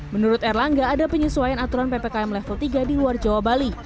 menurut erlangga ada penyesuaian aturan ppkm level tiga di luar jawa bali